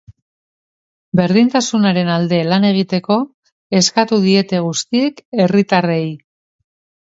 Berdintasunaren alde lan egiteko eskatu diete guztiek herritarrei.